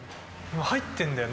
今入ってんだよ